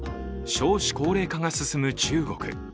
少子高齢化が進む中国。